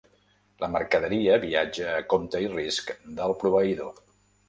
La mercaderia viatja a compte i risc del proveïdor.